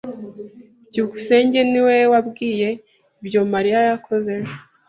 byukusenge niwe wambwiye ibyo Mariya yakoze ejo.